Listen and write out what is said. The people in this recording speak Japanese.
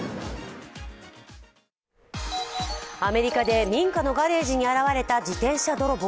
アメリカで民家のガレージに現れた自転車泥棒。